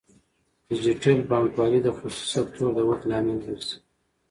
ډیجیټل بانکوالي د خصوصي سکتور د ودې لامل ګرځي.